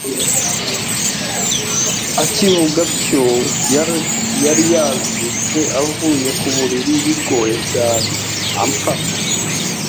Akivuga atyo, yari yazutse avuye ku buriri bigoye cyane, amfata